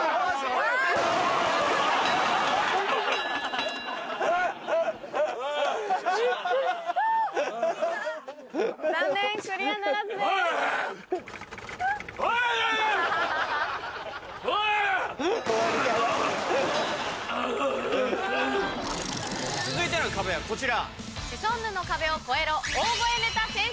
あああ！続いての壁はこちら。